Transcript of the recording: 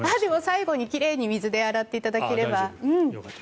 最後に奇麗に水で洗っていただければ。